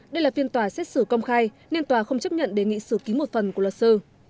đây là phiên tòa xét xử công khai nên tòa không chấp nhận đề nghị xử ký một phần của luật sư